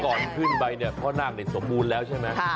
ก่อนขึ้นไปเนี่ยพ่อนาคสมบูรณ์แล้วใช่ไหม